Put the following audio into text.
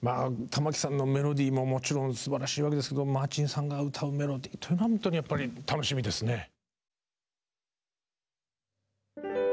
玉置さんの「メロディー」ももちろんすばらしいわけですけどマーチンさんが歌う「メロディー」は本当にやっぱり楽しみですね。